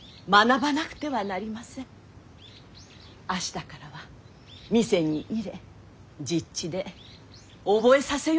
明日からは店に入れ実地で覚えさせようと存じます。